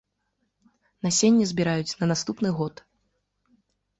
Насенне збіраюць на наступны год.